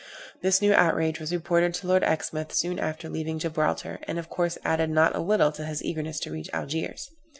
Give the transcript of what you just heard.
This new outrage was reported to Lord Exmouth soon after leaving Gibraltar, and of course added not a little to his eagerness to reach Algiers.